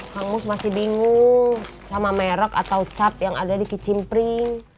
hangus masih bingung sama merek atau cap yang ada di kicimpring